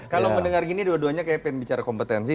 kalau mendengar gini dua duanya kayak pengen bicara kompetensi